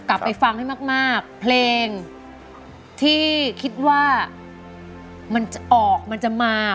กลับไปฟังให้มากเพลงที่คิดว่ามันจะออกมันจะมา